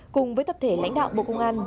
cùng với tập thể lãnh đạo bộ công an